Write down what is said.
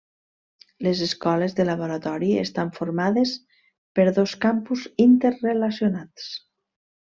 Les escoles de laboratori estan formades per dos campus interrelacionats.